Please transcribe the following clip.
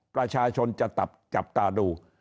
ประชาชนจะจับตาดู